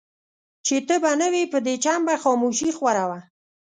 چي ته به نه وې په دې چم به خاموشي خوره وه